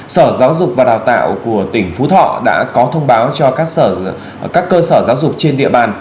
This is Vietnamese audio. sở giáo dục và đào tạo của tỉnh phú thọ đã có thông báo cho các cơ sở giáo dục trên địa bàn